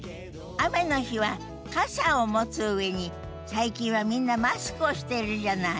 雨の日は傘を持つ上に最近はみんなマスクをしてるじゃない？